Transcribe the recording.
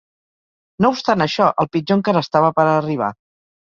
No obstant això, el pitjor encara estava per arribar.